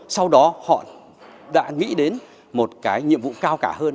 sau đó họ đã nghĩ đến một cái nhiệm vụ cao cả hơn